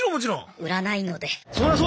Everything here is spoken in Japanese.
売らないので。